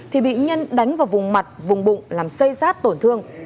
thì bị nhân đánh vào vùng mặt vùng bụng làm xây rát tổn thương